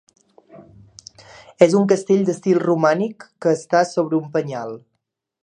És un castell d'estil romànic que està sobre un penyal.